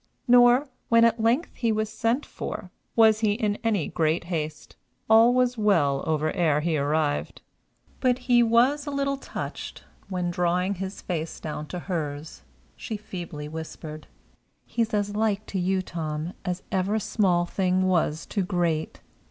Nor, when at length he was sent for, was he in any great haste; all was well over ere he arrived. But he was a little touched when, drawing his face down to hers, she feebly whispered, "He's as like to you, Tom, as ever small thing was to great!"